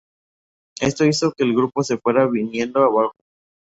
Esto hizo que el grupo se fuera viniendo abajo.